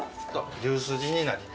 牛すじになります。